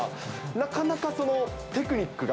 なかなかそのテクニックが。